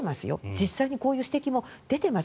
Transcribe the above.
実際にこういう指摘も出てます